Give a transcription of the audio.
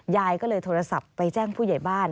ยายก็เลยโทรศัพท์ไปแจ้งผู้ใหญ่บ้าน